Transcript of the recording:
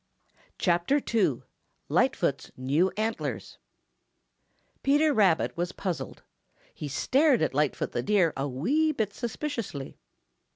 CHAPTER II LIGHTFOOT'S NEW ANTLERS Peter Rabbit was puzzled. He stared at Lightfoot the Deer a wee bit suspiciously.